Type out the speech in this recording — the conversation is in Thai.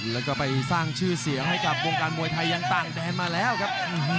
แล้วก็ไปสร้างชื่อเสียงให้กับวงการมวยไทยยังต่างแดนมาแล้วครับ